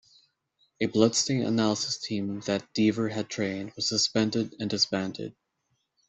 A bloodstain-analysis team that Deaver had trained was suspended and disbanded.